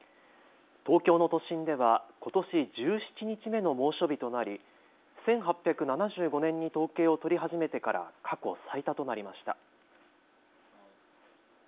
東京の都心ではことし１７日目の猛暑日となり１８７５年に統計を取り始めてから過去最多となりました。